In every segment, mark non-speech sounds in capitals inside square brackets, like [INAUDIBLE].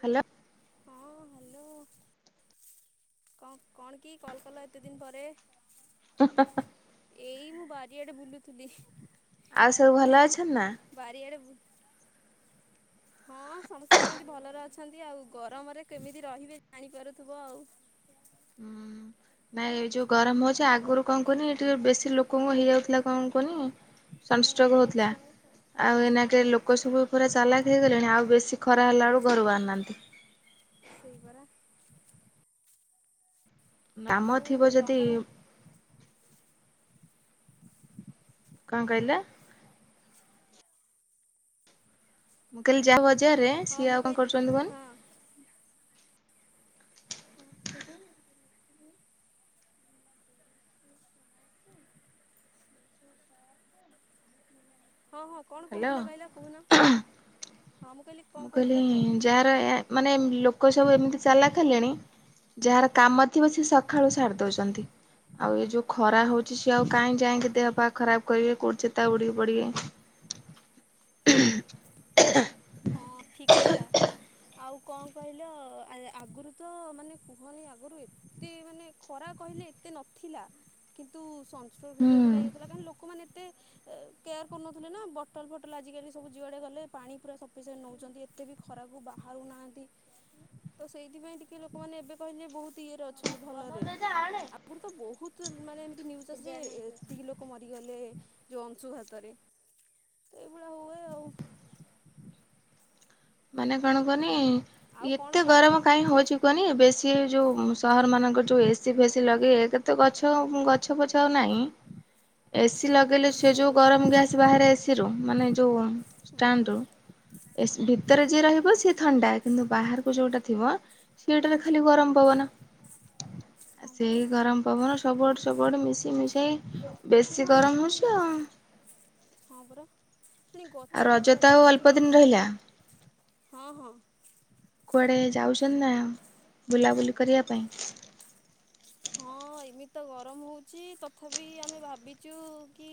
Hello. ହଁ hello. କ କଣ କି କଲ୍ କଲ ଏତେ ଦିନ ପରେ? ହା ହା ହା ଏଇ ମୁଁ ବାରିଆଡେ ବୁଲୁଥିଲି। ଆଉ ସବୁ ଭଲ ଅଛନ୍ ନା? ବାରିଆଡେ ବୁ ହଁ ସମସ୍ତେ ସେମିତି ଭଲରେ ଅଛନ୍ତି ଆଉ, ଗରମରେ କେମିତି ରହିବେ ଜାଣିପାରୁଥିବ ଆଉ। ହୁଁ। ନାଇଁ ଏଇ ଯୋଉ ଗରମ ହଉଛି, ଆଗରୁ କଣ କୁହନି ଏଠିି ବେଶୀ ଲୋକଙ୍କୁ ହେଇଯାଉଥିଲା, କଣ କୁହନି? ସନଷ୍ଟ୍ରୋକ୍ ହଉଥିଲା। ଆଉ ହଁ ପରା ଏନାକେ ଲୋକ ସବୁ ପୁରା ଚାଲାକ ହେଇଗଲେଣି, ଆଉ ବେଶୀ ଖରା ହେଲା ବେଳୁ ଘରୁ ବାହାରୁ ନାହାଁନ୍ତି। ସେଇପରା। କାମ ଆଉ ଥିବ ତମର ଯଦି-ଇମ୍ କଣ କହିଲ? ମୁଁ କହିଲି ଯାହା ବଜାରରେ, ହଁ ସିଏ ମୁଁ ଆଉ କହି କଣ କରୁଛନ୍ତି କୁହନି? ହଁ ହଁ, ହଁ କଣ ହ୍ୟାଲୋ କହୁଥିଲ କହିଲ କହୁନ? ହଁ, ମୁଁ କହିଲି ମୁଁ କଣ କହୁଥିଲ କହିଲିଁ କୁହ? ଯାହାର ଆ ମାନେ ଲୋକ ସବୁ ଏମିତି ଚାଲାକ ହେଲେଣି ଯାହାର କାମ ଥିବ ସେ ସଖାଳୁ ସାରି ଦଉଛନ୍ତି। ଆଉ ଏଇ ଯୋଉ ଖରା ହଉଛି ସିଏ ଆଉ କାହିଁ ଯାଇଁକି ଦେହ ପାହ ଖରାପ କରିବେ, କୋଉଠି ଚେତା ବୁଡିକି ପଡିବେ! ହଁ, ଠିକ୍ କଥା। ଆଉ କଣ କହିଲ ଆ-ଆଗରୁ ତ ମାନେ କୁହନି ଆଗରୁ ଏତ୍ ଏତେ ମାନେ ଖରା କହିଲେ ଏତେ ନଥିଲା କିନ୍ତୁ ସଂଷ୍ଟ୍ରୋକ୍ ହୁଁ ହେଇଯାଉଥିଲା ଇଏହଉଥିଲା କାହିଁ ଲୋକ୍ କମାନେ ଏତେ କେୟାର କରୁନଥିଲେ ନା, ବଟଲ୍ ଫଟଲ୍ ଆଜିକାଲି ସବୁ ଯୁଆଡେ ଗଲେ ପାଣି ପୁରା ସଫିସେଣ୍ଟ ନଉ ଚନ୍ତି ଏତେ ବି ଖରାକୁ ବାହାରୁ ନାହାଁନ୍ତି। ତ ସେଇଥିପାଇଁ ଟିକେ ଲୋକମାନେ ଏବେ କହିଲେ ବହୁତ ଇଏରେ ଅଛନ୍ତି, ଭଲରେ। ଆଗରୁ ତ ବହୁତ ମାନେ ଏମତି ନ୍ୟୁଜ୍ ଆସେ ଯେ ଏତିକି ଲୋକ ମରିଗଲେ। ଯଉ ଅଂଶୁଘାତରେ। ଏଇଭଳିଆ ହୁଏ ଆଉ। ମାନେ କଣ କୁହନି? ଆଉ କଣ ଏତେ ଖାଇ ଗରମ! କାହିଁ ହଉଛି କୁହନି, ବେଶୀ ଯଉ ସହର ମାନଙ୍କରେ ଯେଉଁ ଏସି ଫେସି ଲଗେଇ ଏକେ ତ ଗଛ ଅମ୍ ଗଛ ପଛ ଆଉ ନାହିଁ। ଏସିି ଲଗେଇଲେ ସେ ହୁଁ ଯୋଉ ଗରମ ଗ୍ୟାସ୍ ବାହାରେ ଏସିି ରୁ, ମାନେ ଯୋଉ ଷ୍ଟାଣ୍ଡ ହୁଁ ରୁ ଏସି ଭିତ୍ ତରେ ଯିଏ ସେଇ ରହିବ ପରା ସିଏ ଥଣ୍ଡା, କିନ୍ତୁ ବାହାରକୁ ଯୋଉଟା ଥିବ ସେଇଟାରେ ଖାଲି ଗରମ ପବନ। ହଁ ଆ ପରା ସେଇ ଗରମ ପବନ ସବୁଆଡ଼େ ସବୁଆଡ଼େ ମିଶି ମିଶାଇ ବେଶୀ ଗରମ ହଉଛି ଆଉଁ। ହଁ, ବରା। ଫୁଣି ଆଉ ଗଛ ରଜ ଫଛ ତ ଆଉ ଆଜିକାଲି ଅଳ୍ପ ଯେଉ ଦିନ ରହିଲା କାଟୁଛନ୍ତି, ହଁ ହଁ। କୁଆଡେ ଯାଉଛନ୍ତି ନା, ବୁଲାବୁଲି କରିବା ପାଇଁ? ହଁ, ଏମିତି ତ ଗରମ ହଉଛି, ତଥାପି ଆମେ ଭାବିଛୁ କି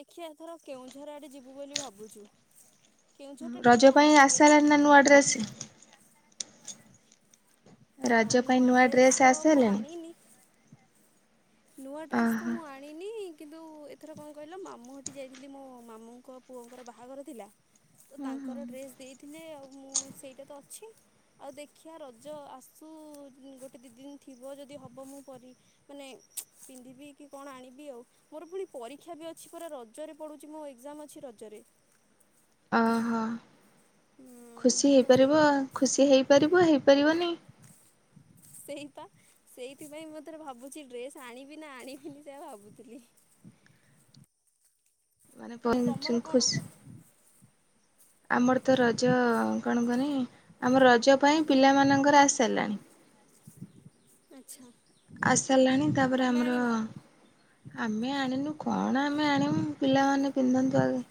ଦେଖିଆ ଏଥର କେଉଁଝର୍ ଆଡେ ଯିବୁ ବୋଲି ଭାବୁଛୁ! କେଉଁଝର୍ ଟା ବି ରଜ ଟିକେ ପାଇଁ ଥଣ୍ଡା ଲାଗେ ନା! ଆସିସାରିଲାଣି ନୂଆ ଡ୍ରେସ୍? ହଁ, ରଜ ପାଇଁ ନୂଆ ଡ୍ରେସ୍ ତ ମୁଁ ଆସିସାରିଲାଣି? ଆଣିନି! ନୂଆଁ ଡ୍ରେସ୍ ତ ଓହୋ ମୁଁ ଆଣ୍ ଆଣିନି କିନ୍ତୁ, ଏଥର କଣ କହିଲ, ମାମୁଁ ହଟି ଯାଇଥିଲି ମୋ ମାମୁଙ୍କ ପୁଅଙ୍କର ବାହାଘର ଥିଲା? ତ ହୁଁ ତାଙ୍କର ହୁଁ ଡ୍ରେସ୍ ଦେଇଥିଲେ, ଆଉ ମୁଁ ସେଇଟା ତ ଅଛି ଆଉ ଦେଖିବା ରଜ ଆସ୍ ସୁ-ଉ ଗୋଟେ ଦି ଦିନ ଥିବ ଯଦି ହବ ମୁଁ ପରି ମାନେ [UNINTELLIGIBLE] ପିନ୍ଧିବି କି କଣ ଆଣିବି ଆଉ? ମୋର ପୁଣି ପରୀକ୍ଷା ବି ଅଛି, ପରା ରଜରେ ପଡୁଛି ମୋ ଏକ୍ଜାମ୍ ଅଛି ରଜରେ। ଅହ, ହୁଁ ଖୁସି ତ ସେଇ ହେଇପାରିବ, ଖୁସି ହେଇପାରିବ ହେଇପାରିବନି। ସେଇପା! ସେଇଥିପାଇଁ ମୁଁ ଏଥର ଭାବୁଛି ଡ୍ରେସ୍ ଆଣିବି ନା ଆଣିବିନି ସେୟା ଭାବୁଥିଲି। ମାନେ ଆଉ କଂ ତମର ଚୁଂ କଣ ଖୁସ୍। ଆମର ତ ରଜ-ଅ କଣ କୁଅନି? ଆମ ରଜ ପାଇଁ ପିଲାମାନଙ୍କର ଆଇସାରିଲାଣି। ଆଚ୍ଛା। ଆସିସାରିଲାଣି ଆଉ ତାପରେ ତମେ ଆମର ଆଣିନ? ଆମେ ଆଣିନୁ କଣ ଆମେ ଆଣିମୁ ପିଲାମାନେ ପିନ୍ଧନ୍ତୁ ଆଗ।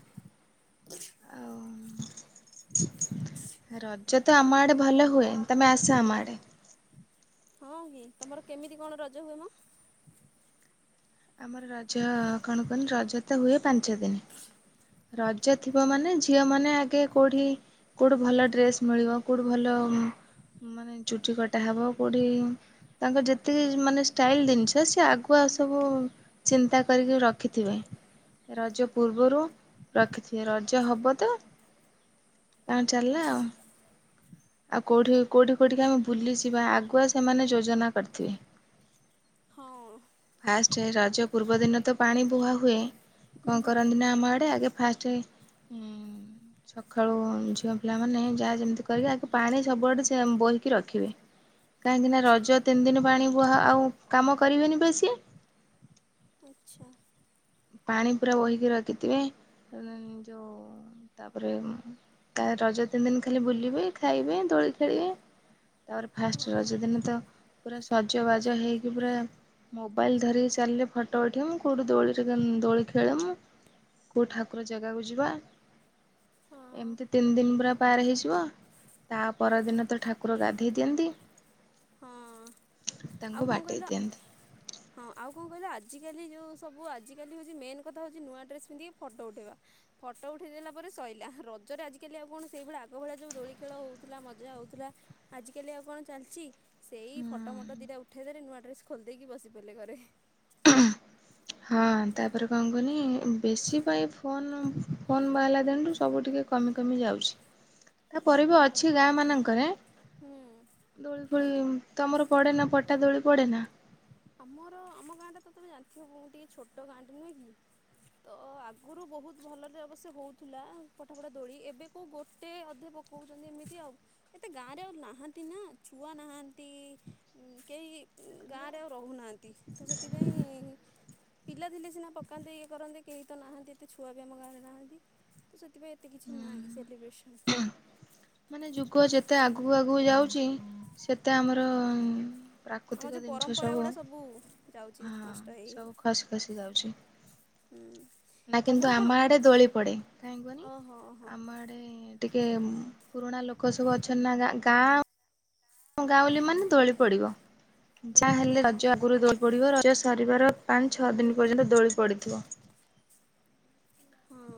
ଆଉ। ରଜ ତ ଆମ ଆଡେ ଭଲ ହୁଏ ତମେ ଆସ ଆମ ଆଡେ। ହଁ କି ତମର କେମିତି କଣ ରଜ ହୁଏମ? ଆମର ରଜ କଣ କହନି ରଜ ତ ହୁଏ ପାଞ୍ଚ ଦିନ। ରଜ ଥିବ ମାନେ ଝିଅ ମାନେ ଆଗେ କୋଉଠି କୋଉଠି ଭଲ ଡ୍ରେସ୍ ମିଳିବ କୋଉଠି ଭଲ ମାନେ ଚୁଟି କଟା ହବ କୋଉଠି ତାଙ୍କର ଯେତିକି ମାନେ ଷ୍ଟାଇଲ ଜିନିଷ ସି ଆଗୁଆ ସବୁ ଚିନ୍ତା କରିକି ରଖିଥିବେ ରଜ ପୂର୍ବରୁ ରଖିଥିବେ ରଜ ହବ ତ ତାଙ୍କର ଚାଲିଲା ଆଉ। ଆଉ କୋଉଠି କୋଉଠି କୋଉଠି ଆମେ ବୁଲିଯିବା ଆଗୁଆ ସେମାନେ ଯୋଜନା କରିଥିବେ। ହଁ। ଫାଷ୍ଟ ରଜ ପୂର୍ବଦିନ ତ ପାଣି ବୁହା ହୁଏ। କଣ ହୁଁ ହୁଁ କରନ୍ତି ନା ଆମ ଆଡ଼େ ଆଗେ ଫାଷ୍ଟ ସକାଳୁ ଝିଅ ପିଲାମାନେ ଯାହା ଯେମିତି କରିକି ଆଗ ପାଣି ସବୁଆଡ଼େ ବୋହିକି ରଖିବେ। କାହିଁକି ନା ଆଚ୍ଛା ରଜ ତିନି ଦିନ ପାଣି ବୁହା ଆଉ କାମ କରିବେନି ବେଶି ଆଚ୍ଛା। ପାଣି ପୁରା ବୋହିକି ରଖିଥିବେ ଯେଉଁ ତାପରେ ତା ରଜ ତିନି ଦିନ ଖାଲି ବୁଲିବେ ଖାଇବେ ଦୋଳି ଖେଳିବେ ତାପରେ ଫାଷ୍ଟ ହଁ ରଜ ଦିନ ତ ପୁରା ସଜବାଜ ହେଇକି ପୁରା ମୋବାଇଲ ଧରିକି ଚାଲିଲେ ଫଟୋ ଉଠିବ ମୁଁ କୋଉଠି ଦୋଳିି ଦୋଳି ଖେଳ ମୁ କୋଉ ଠାକୁର ଜାଗାକୁ ଯିବା ହଁ ଏମିତି ଆ ତିନି ଦିନ ପୁରା ପାର ହେଇଯିବ। ତା ପରଦିନ ତ ଠାକୁର ଗାଧେଇ ଦିଅନ୍ତି ହଁ ଆଉ ତାଙ୍ଗୁ କଣ ବାଡେଇ କହିଲ ଦଅନ୍ତି। ହଁ ଆଉ କଣ କହିଲ ଆଜି କାଲି ଯୋଉ ସବୁ ଆଜି କାଲି ହଉଚି ମେନ କଥା ହଉଚି ନୂଆ ଡ୍ରେସ ପିନ୍ଧିକି ଫୋଟୋ ଉଠାଇବା। ଫଟୋ ଉଠେଇ ଦେେଲା ପରେ ଶଇଲା ରଜରେ ଆଜିକାଲି ଆଉ କଣ ସେଇଭଳିଆ ଆଗ ଭଳିଆ ଯଉ ଦୋଳି ଖେଳ ହଉଥିଲା ମଜା ହଉଥିଲା ଆଜ କାଲି ଆଉ କଣ ଚାଲିଛି? ସେଇ ଫଟୋମୋଟ ଦିଟା ଉଠେଇ ଦେଲେ ନୂଆ ଡ୍ରେସ ଖୋଲିଦ ଦେଇକି ବସି ପଡିଲେ ଘରେ। [UNINTELLIGIBLE] ହଁ ତାପରେ କଣ କନି ବେଶୀ ପାଇଁ ଫୋନ ଫୋନ୍ ବାହାରିଲା ଦିନୁଠୁ ସବୁ ଟିକେ କମି କମି ଯାଉଛି ତା ପରେ ବି ହଁ ପରା ଅଛି ଗାଁ ମାନଙ୍କରେ ହୁଁ ଦୋଳି ଫୋଳି ତମର ପଡେ ନା ପଟା ଦୋଳି ପଡେ ନା? ଆମର ଆମ ଗାଁ ଟା ତମେ ଜାଣିଥିବ କ ଟିକେ ଛୋଟ ଗାଁଟେ ନୁହେଁ କି? ତ ଆଗରୁ ବହୁତ ଭଲରେ ଅବଶ୍ୟ ହଉଥିଲା ପଠ ପଠା ଦୋଳି ଏବେ କୋଉ ଗୋଟେ ଅଧେ ପକାଉଛନ୍ତି ଏମିତି ଆଉ। ଏତେ ଗାଁ ରେ ଆଉ ନାହାନ୍ତି ନା ଛୁଆ ନାହାନ୍ତି କେହି ଗାଁରେ ରେ ଆଉ ରହୁନାହାନ୍ତି ତ ସେଥିପାଇଁ ପିଲା ଥିଲେ ସିନା ପକାନ୍ନ୍ତି ଇଏ କରନ୍ତି କେହି ତ ନାହାନ୍ତି ଏତେ ଛୁଆ ବି ଆମ ଗାଁରେ ନାହାନ୍ତି। ତ ସେଥିପାଇଁ ଏତେ କିଛି ନାହିଁ ସେଲିବ୍ରେସନ। ମାନେ ଯୁଗ ଯେତେ ଆଗକୁ ଆଗକୁ ଯାଉଛି ସେତେ ଆମର ଆମର ପ୍ରାକୃତିକ ଯେଉଁ ଜିନିଷ ପରମ୍ପରା ସବୁ ଗୁଡ଼ା ଯାଉଛି ହଁ ନଷ୍ଟ ହେଇ ହେଇ ସବୁ ଖସି ଖସି ଯାଉଛି। ହୁଁ ନା କିନ୍ତୁ ତମର କଣ ଆମ ଆଡେ ଦୋଳି ପଡେ କାହିଁ କୁହନି ଓହୋ ଓହୋ ଆମ ଆଡେ ଟିକେ ପୁରୁଣା ଲୋକ ସବୁ ଅଛନ୍ତି ନା ଗାଁ। ଗାଉଲି ମାନେ ଦୋଳି ପଡିବ ଯାହାହେଲେ ହଁ ରଜ ଆଗରୁ ଦୋଳି ପଡ଼ିବ ରଜ ସରିବାର ପାଞ୍ଚ ଛଅ ଦିନ ପର୍ଯ୍ୟନ୍ତ ଦୋଳି ପଡ଼ିଥିବ। ହଁ।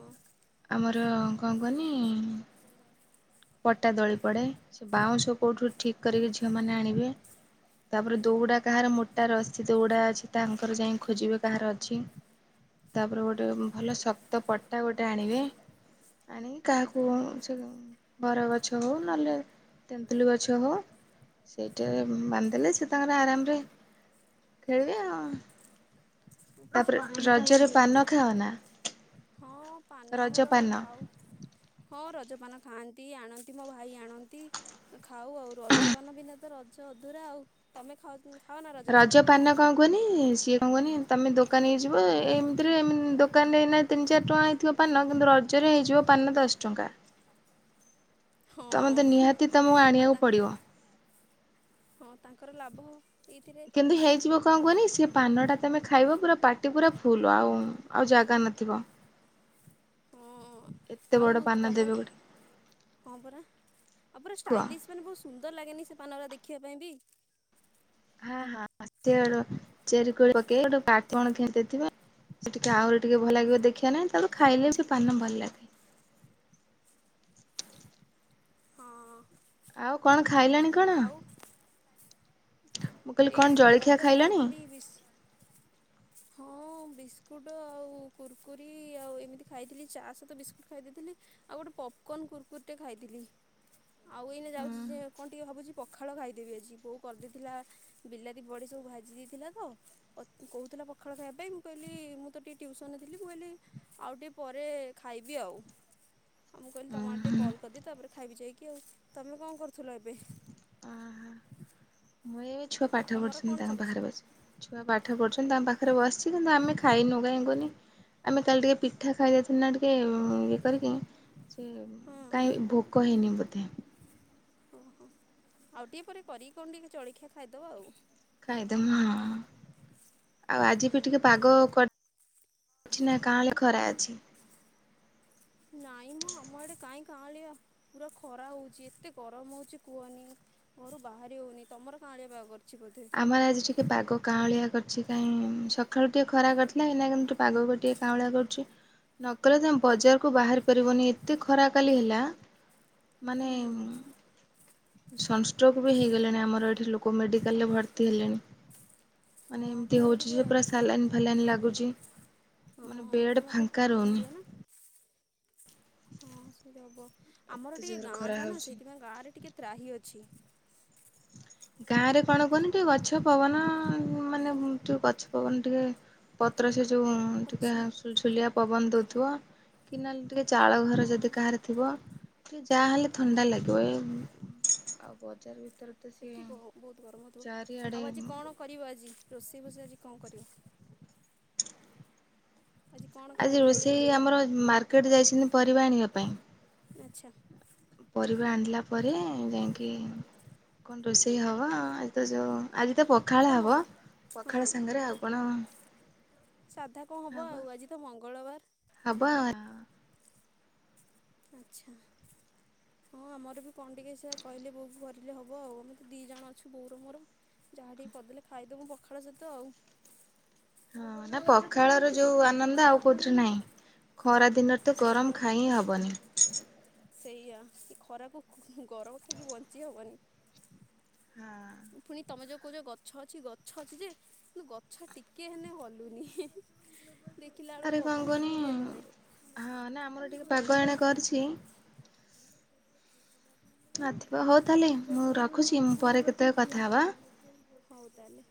ଆମର କଣ କହନି। ଆଚ୍ଛା ପଟା ଦଳି ପଡ଼େ ସେ ବାଉଁଶ କୋଉଠୁ ଠିକ୍ କରିକି ଝିଅମାନେ ଆଣିବେ। ତାପରେ ଦୌଡା କାହାର ମୋଟା ରଶୀ ଦୌଡା ଅଛି ତାଙ୍କର ଯାଇ ଖୋଜିବେ କାହାର ଅଛି? ତାପରେ ଗୋଟେ ଭଲ ଶକ୍ତ ପଟା ଗୋ ଟେ ଆଣିବେ ଆଣିକି କାହାକୁ ଆଚ୍ଛା ବର ଗଛ ହଉ ନହେଲେ ତେନ୍ତୁଲି ଗଛ ହଉ। ସେଇଟି ବାନ୍ଧିଲେ ସେ ତାଙ୍କର ଆରାମରେ ଖେଳିବେ ଆଉ ତାପରେ ଆଚ୍ଛା ରଜରେ ପାନ ଖାଅ ନା ହଁ ପାନ ରଜ ଆମର ପାନ? ଖାଉ। ହଁ ରଜପାନ ଖାଆନ୍ତି ଆଣନ୍ତି ମୋ ଭାଇ ଆଣନ୍ତି। ଖାଉ ଆଉ ରଜପାନ ବିନା ତ ରଜ ଅଧୁରା ଆଉ ତମେ ଖାଉ ଖାଅନା? ରଜ ପାନ। କଣ କୁହନି ସିଏ କଣ କହନି ତମେ ଦୋକାନ ହେଇଯିବ ଏମିତିରେ ଦୋକାନରେ ଏଇନା ତିନି ଚାରି ଟଙ୍କା ହେଇଥିବ ପାନ କିନ୍ତୁ ରଜରେ ହେଇଯିବ ପାନ ଦଶ ଟଙ୍କା। ତମେ ତ ହଁ ନିହାତି ତମକୁ ଆଉ ଆଣିବାକୁ ତାଙ୍କ ପଡିବ। ହଁ ତାଙ୍କର ଲାଭ ଏଇଥିରେ। କିନ୍ତୁ ହେଇଯିବ କଣ କୁହନି ସେ ପାନଟା ତମେ ଖାଇବ ପୁରା ପାଟି ପୁରା ଫୁଲ ଆଉ ଆଉ ଜାଗା ନଥିବ। ହଁ ଏତେ ବଡ଼ ଆଉ ପାନ ତମ ଦେବେ ଗୋଟେ ହଁ ପରା ଆଉ ପରା କୁହ। ଷ୍ଟାଇଲିଶ ସେ ମାନେ ବହୁତ ସୁନ୍ଦର ଲାଗେନି ସେ ପାନର ଦେଖିବା ପାଇଁ ବି। ହଁ ହଁ ସି ଗୋ ଚେରି କୋଳି ପକେଇ ଗୋଟେ କାଠ କଣ ଖେଞ୍ଚିଦେଇଥିବେ। ସେ ଟିକେ ଆହୁରି ଟିକେ ଭଲ ଲାଗିବ ଦେଖିବା ନାଇଁ ତାକୁ ଖାଇଲେ ବି ପାନ ଭଲ ଲାଗେ। ହଁ ଆଉ କଣ ଖାଇଲେଣି କଣ? ଆଉ ମୁଁ କହିଲି ଏଇ କଣ ସକାଳୁ ଜଳଖିଆ ତ ଖାଇଲାଣି? ଖାଇଥିଲି ବିସ୍ ହଁ ବିସ୍କୁଟ ଆଉ କୁୁରୁକୁରି ଆଉ ଏମିତି ଖାଇଥିଲି ଚା ସହିତ ବିସ୍କୁଟ ଖାଇ ଦେଇଥିଲି। ଆଉ ଗୋଟେ ପପକନ୍ କୁୁରୁକୁୁରିଟେ ଖାଇଥିଲି। ଆଉ ଏଇନା ଉଁ ଯାଉଛି ଯେ କଣ ଟିକେ ଭାବୁଛି ପଖାଳ ଖାଇଦେବି ଆଜି ବୋଉ କରିଦେଇଥିଲା। ବିଲାତି ବଡ଼ି ସବୁ ଭାଜି ଦେଇଥିଲା ତ। ପତି କହୁଥିଲା ପଖାଳ ଖାଇବା ପାଇଁ ମୁଁ କହିଲି ମୁଁ ତ ଟିକେ ଟ୍ୟୁସନ ଥିଲି ମୁଁ କହିଲି ଆଉ ଟିକେ ପରେ ଖାଇବି ଆଉ। ଆଉ ମୁଁ କହିଲି ତମ ଆଡ଼େ ଟିକେ ହୁଁ କଲ୍ କରିଦିଏ ତାପରେ ଖାଇବି ଯାଇକି ଆଉ। ତମେ କଣ କରୁଥିଲ ଏବେ? ଆହା ମୁଇ ଏଇ ଛୁଆ ପାଠ ତମର ପଢୁଚନ୍ତି କଣ ତାଙ୍କ ଚାଲିଛି? ପାଖରେ ବସି। ଛୁଆ ପାଠ ପଢୁଛନ୍ତି ତାଙ୍କ ପାଖରେ ବସିଛି କିନ୍ତୁ, ଆମେ ଖାଇନୁ କାହିଁ କୁୁହନି? ଆମେ କାଲି ଟିକେ ପିଠା ଖାଇ ଦେଇଥିନେନା ଟିକେ ଇଏ କରିକି। ହଁ କାହିଁ ଭୋକ ହେଇନି ବୋଧେ? ଓହୋ ଆଉ ଟିକେ ପରେ କରିକି କଣ ଟିକେ ଜଳଖିଆ ଖାଇଦବ ଆଉ? ଖାଇଦମୁ ଆଉ ଆଜି ବି ହୁଁ। ଟିକେ ପାଗ କୁଆ ଅଛି ନା କାଁଲେ ଖରା ଅଛି। ନାଇଁ ମ ଆମ ଆଡେ କାଇଁ କାଁଳିଆ। ପୁରା ଖରା ହଉଚି ଏତେ ଗରମ ହଉଚି କୁଅନି? ଘରୁ ବାହାରି ହଉନି ତମର କାଁଳିଆ ପାଗ କରିଚି ବୋଧେ? ଆମର ଆଜି ଟିକିଏ ପାଗ କାଁଳିଆ କରିଚି କାଇଁ ସକାଳୁ ଟିକେ ଖରା କରିଥିଲା ଏଇନା କିନ୍ତୁ ଠୁ ପାଗକୁ ଟିକିଏ କାଉଁଳିଆ କରୁଚି। ନକଲେ ତମେ ବଜାରକୁ ବାହାରି ପାରିବନି ଏତେ ଖରା କାଲି ହେଲା। ମାନେ ହୁଁ ଉମ୍ ସନଷ୍ଟ୍ରୋକ ବି ହେଇଗଲାଣି ଆମର ଏଠି ଲୋକ ମେଡି ମେଡିକାଲରେ ଭର୍ତ୍ତି ହେଲେଣି ହଁ ମାନେ ଏମିତି ତମର ହଉଛି ଟିକେ ଯେ ପୁରା ସାଲାଇନ୍ ଫାଲାଇନ୍ ଲାଗୁଚି ମାନେ ହଁ ବେଡ଼୍ ତମର ଟିକେ ଫାଙ୍କା ଟାଉନ ରହୁନି। ଏରିଆ ନା ହଁ ସେଇଟି ହବ ଆମର ଏତେ ଟିକେ ଜୋର ଗାଁ ଖରା ଟା ନା ହଉଛି। ସେଇଥିପାଇଁ ଗାଁରେ ଟିକେ ତ୍ରାହି ଅଛି। ଗାଁ ରେ କଣ କହୁନି ଟିକେ ଗଛ ପବନ ମାନେ ଯୋଉ ଗଛ ପବନ ଟିକିଏ ପତ୍ର ସେ ଯୋଉ ଟିକେ ଅଛି ସୁଲ୍ ସୁଲିଆ ପବନ ଦଉଥିବ। କି ନହେଲେ ଟିକିଏ ଚାଳ ଘର ଯଦି ହଁ କାହାର ଥିବ। ଟି ଯାହାହଲେ ଥଣ୍ଡା ହଁ ଲାଗିବ ଏ ଆଉ ବଜାର ଭିତରେ ତ ସେ ସେଠି ଗ ବହୁତ ଗରମ ହଉଥିବ ଆଉ ଆଜି କଣ କରିବ ଆଜି ରୋଷେଇ ବୋଷେଇ ଆଜି କଣ କରିବ। ଆଜି କଣ ଆଜି ଖାଇବା ରୋଷେଇ କରିବ ଆମର ମାର୍କେଟ୍ ଯାଇଛନ୍ତି ପରିବା ଆଣିବା ପାଇଁ। ଆଚ୍ଛା। ପରିବା ଆଣିଲା ପରେ ଯାଇଁକି କଣ ରୋଷେଇ ହବ ଆଜି ତ ଯୋଉ ଆଜି ତ ପଖାଳ ହବ ହଁ ପଖାଳ ସାଙ୍ଗରେ ଆଉ କଣ ସାଧା କଣ ହବ ଆଉ ଆଜି ତ ମଙ୍ଗଳବାର। ହବ ଅ ଆଚ୍ଛା। ହଁ ଆମର ବି କଣଟିକିଏ ସେଇଆ କହିଲେ ବୋଉକୁ କରିଲେ ହେବ ଆଉ ଆମେ ତ ଦିଇ ଜଣ ଅଛୁ ବୋଉର ମୋର। ଯାହା ଟିକେ କରିଦେଲେ ଖାଇଦବୁ ପଖାଳ ସହିତ ଆଉ। ହଁ ନା ପଖାଳର ଯୋଉ ଆନନ୍ଦ ଆଉ କୋଉଥିରେ ନାହିଁ ଖରା ଦିନରେ ତ ଗରମ ଖାଇ ହିଁ ହେବନି। ସେଇଆା ଏ ଖରାକୁ ଗରମ ଖାଇକି ବଞ୍ଚି ହବନି। ହା। ପୁଣି ତମେ ଯୋଉ କୋହୁଚ ଯୋଉ ଗଛ ଅଛି ଗଛ ଅଛି ଯେ କିନ୍ତୁ ଗଛ ଟିକେ ହେନେ ହଲୁନି ଦେଖିଲା ବେଳକୁ ଆରେ କଣ ପବନ କୁହନି ଟିକେ ହେଲେ ନାଇଁ। ହଁ ନା ଆମର ଟିକେ ପାଗ ଏଣେ କରିଛି। ଆଥିବ ହେଉ ତାହେଲେ ମୁଁ ରଖୁଛି ମୁଁ ପରେ କେତେବେଳେ କଥା ହେବା? ହଉ ତାହେଲେ।